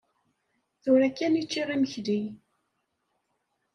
Tura kan i ččiɣ imekli.